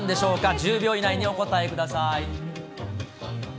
１０秒以内にお答えください。